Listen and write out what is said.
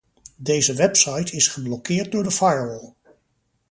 Deze website is geblokkeerd door de firewall.